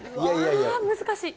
難しい。